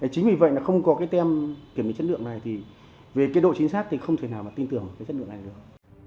chính vì vậy không có tem kiểm định chất lượng này về độ chính xác thì không thể nào tin tưởng chất lượng này được